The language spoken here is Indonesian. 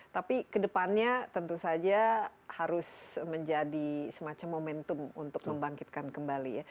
tapi kedepannya tentu saja harus menjadi semacam momentum untuk membangkitkan kembali ya